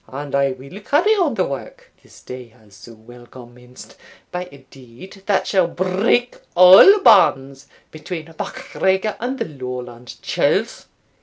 And I will carry on the work, this day has so well commenced, by a deed that shall break all bands between MacGregor and the Lowland churls.